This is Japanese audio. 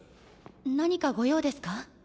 何か御用ですか？